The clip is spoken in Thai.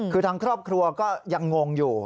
คือทางครอบครัวก็ยังงงอยู่